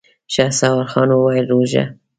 شهسوار خان وويل: روژه؟!